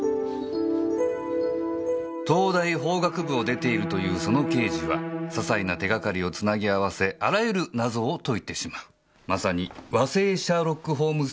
「東大法学部を出ているというその刑事はささいな手がかりをつなぎ合わせあらゆる謎を解いてしまう」「まさに和製シャーロック・ホームズというべき趣」